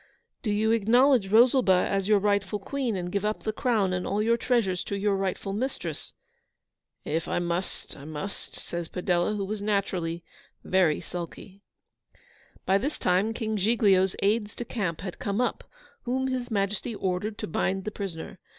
'Do you acknowledge Rosalba as your rightful Queen, and give up the crown and all your treasures to your rightful mistress?' 'If I must, I must,' says Padella, who was naturally very sulky. By this time King Giglio's aides de camp had come up, whom His Majesty ordered to bind the prisoner.